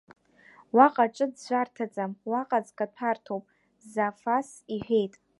Уаҟа ҿыӡәӡәарҭаӡам, уаҟа ӡкаҭәарҭоуп, Зафас, – иҳәеит.